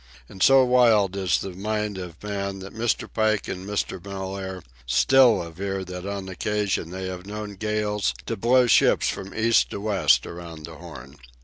And so wild is the mind of man that Mr. Pike and Mr. Mellaire still aver that on occasion they have known gales to blow ships from east to west around the Horn.